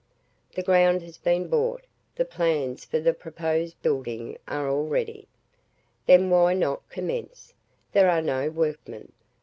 The ground has been bought, the plans for the proposed budding are all ready. Then why not commence? there are no workmen.